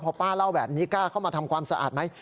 พอป้าเล่าแบบนี้กล้าเข้ามาทำความสะอาดไหม